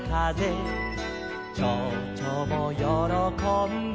「ちょうちょもよろこんで」